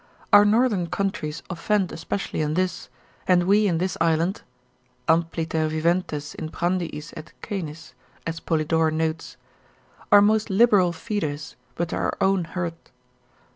Our northern countries offend especially in this, and we in this island (ampliter viventes in prandiis et caenis, as Polydore notes) are most liberal feeders, but to our own hurt.